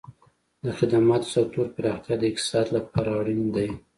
د خدماتو سکتور پراختیا د اقتصاد لپاره اړین دی.